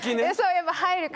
やっぱ入るから。